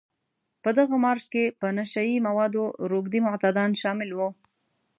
په دغه مارش کې په نشه يي موادو روږدي معتادان شامل وو.